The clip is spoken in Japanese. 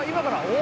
お。